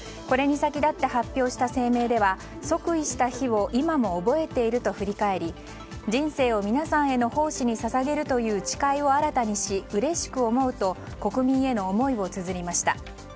これに先立って発表した声明では即位した日を今も覚えていると振り返り人生を皆さんへの奉仕に捧げるという誓いを新たにし、うれしく思うと国民への思いをつづりました。